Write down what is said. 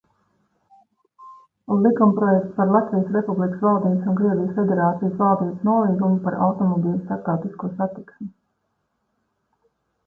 "Likumprojekts "Par Latvijas Republikas valdības un Krievijas Federācijas valdības nolīgumu par automobiļu starptautisko satiksmi"."